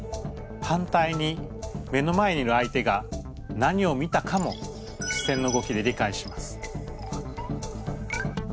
反対に目の前にいる相手が何を見たかも視線の動きで理解します。